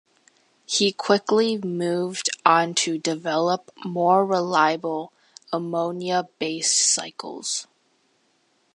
He quickly moved on to develop more reliable ammonia-based cycles.